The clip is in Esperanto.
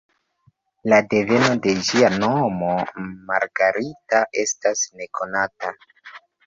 La deveno de ĝia nomo, ""Margarita"", estas nekonata.